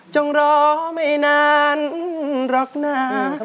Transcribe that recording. จงรอไม่นานรอกหน้า